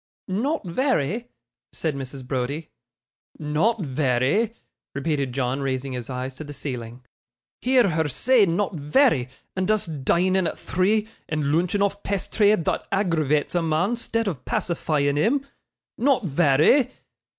'Not very,' said Mrs. Browdie. 'Not vary!' repeated John, raising his eyes to the ceiling. 'Hear her say not vary, and us dining at three, and loonching off pasthry thot aggravates a mon 'stead of pacifying him! Not vary!